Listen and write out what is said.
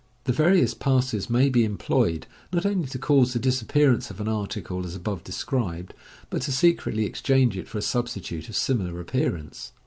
The various passes may be employed not only to cause the dis appearance of an article, as above described, but to secretly exchange it for a substitute of similar appearance.